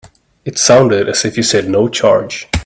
It sounded as if you said no charge.